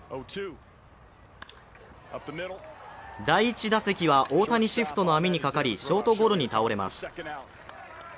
第１打席は大谷シフトの網にかかり、ショートゴロに倒れます。